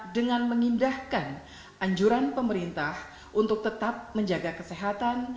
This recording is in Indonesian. dengan mengindahkan anjuran pemerintah untuk tetap menjaga kesehatan